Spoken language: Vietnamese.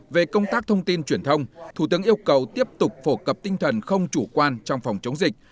về công tác thông tin truyền thông thủ tướng yêu cầu tiếp tục phổ cập tinh thần không chủ quan trong phòng chống dịch